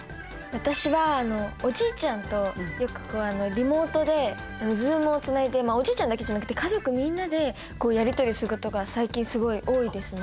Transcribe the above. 私はおじいちゃんとよくリモートでズームをつないでおじいちゃんだけじゃなくて家族みんなでやり取りすることが最近すごい多いですね。